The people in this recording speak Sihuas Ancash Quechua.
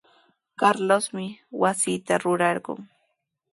Carlosmi wasita rurarqun.